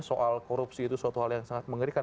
soal korupsi itu suatu hal yang sangat mengerikan